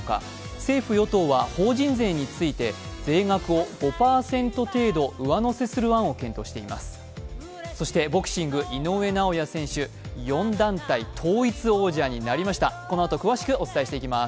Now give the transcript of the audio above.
政府与党は法人税について税額を５％程度上乗せする案を検討しています。